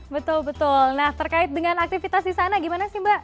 betul betul nah terkait dengan aktivitas di sana gimana sih mbak